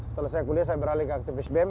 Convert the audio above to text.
setelah saya kuliah saya beralih ke aktivis bem